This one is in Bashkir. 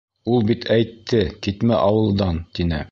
Ул бит әйтте, китмә ауылдан, тине.